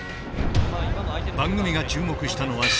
番組が注目したのはスクラム。